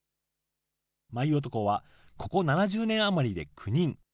舞男はここ７０年余りで９人。